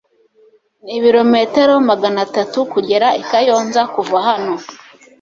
Nibirometero magana atatu kugera i Kayonza kuva hano